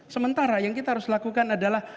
sementara yang kita harus lakukan adalah